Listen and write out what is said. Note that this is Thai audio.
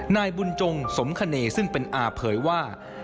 นายบุญจงสมคเนซึ่งเป็นอาเผยว่า